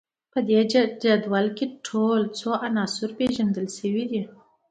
په دې جدول کې ټول څو عناصر پیژندل شوي دي